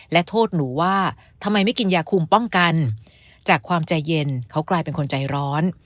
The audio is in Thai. และโทษหนูว่าทำไมไม่กินยาคุมป้องกันจากความใจเย็นเขากลายเป็นคนใจร้อน